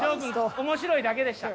面白いだけでした。